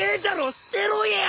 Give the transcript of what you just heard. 捨てろや！